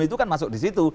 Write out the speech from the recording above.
itu kan masuk disitu